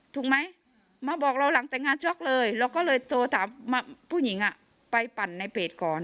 ถูกไหมมาบอกเราหลังแต่งงานช็อกเลยเราก็เลยโทรถามผู้หญิงไปปั่นในเพจก่อน